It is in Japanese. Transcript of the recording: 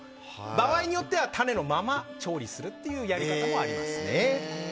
場合によっては種のまま調理するというやり方もありますね。